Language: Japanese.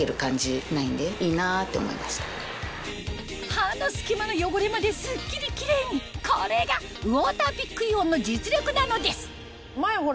歯の隙間の汚れまですっきりキレイにこれがウォーターピックイオンの実力なのです前ほら。